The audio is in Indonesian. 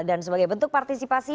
dan sebagai bentuk partisipasi